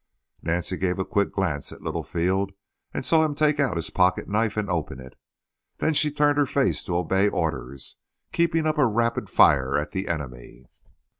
Nancy gave a quick glance at Littlefield, and saw him take out his pocket knife and open it. Then she turned her face to obey orders, keeping up a rapid fire at the enemy.